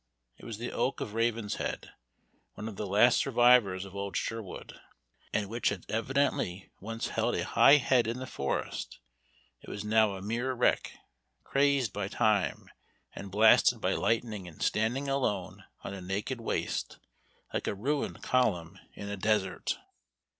It was the Oak of Ravenshead, one of the last survivors of old Sherwood, and which had evidently once held a high head in the forest; it was now a mere wreck, crazed by time, and blasted by lightning, and standing alone on a naked waste, like a ruined column in a desert.